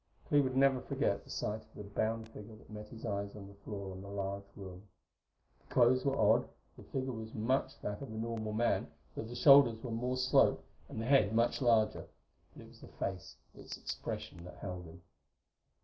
Clee would never forget the sight of the bound figure that met his eyes on the floor on the large room. The clothes were odd; the figure was much that of a normal man, though the shoulders were more sloped and the head much larger; but it was the face, its expression, that held him.